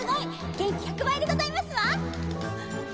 元気１００倍でございますわ！